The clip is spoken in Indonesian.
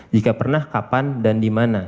jika pernah kapan dan dimana